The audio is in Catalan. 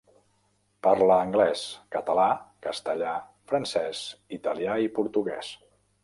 Parla anglès, català, castellà, francès, italià i portuguès.